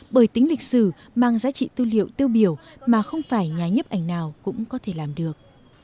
bởi tính lịch sử mang giá trị tư liệu tiêu biểu mà không phải nhà nhấp ảnh nào cũng có thể làm được